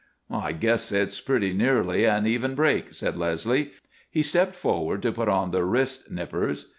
"I guess it's pretty nearly an even break," said Leslie. He stepped forward to put on the wrist nippers.